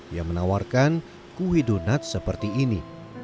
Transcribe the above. yang menawarkan kue donat seperti ini